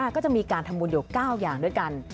ก็จะมีการทำบุญอยู่๙อย่างด้วยกัน